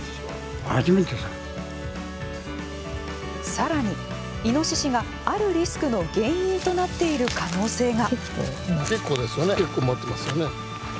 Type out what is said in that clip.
さらに、イノシシがあるリスクの原因となっている可能性が。